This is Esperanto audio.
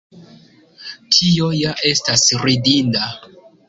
Tio ja estas ridinda!